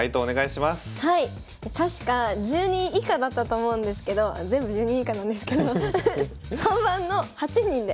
確か１０人以下だったと思うんですけど全部１０人以下なんですけど３番の８人で。